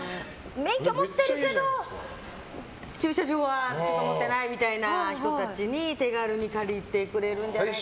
免許持ってるけど、駐車場は持ってないみたいな人たちが手軽に借りてくれるんじゃないかなって。